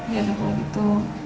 ya kalau gitu